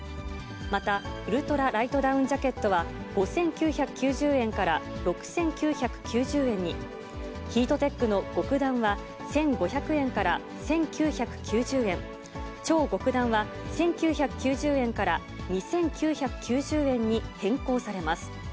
また、ウルトラライトダウンジャケットは５９９０円から６９９０円に、ヒートテックの極暖は１５００円から１９９０円、超極暖は１９９０円から２９９０円に変更されます。